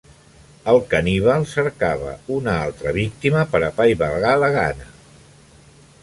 El caníbal cercava una altra víctima per apaivagar la gana.